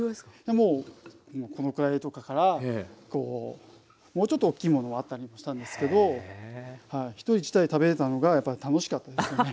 もうこのくらいとかからもうちょっと大きいものもあったりもしたんですけど１人１台食べれたのがやっぱり楽しかったですね。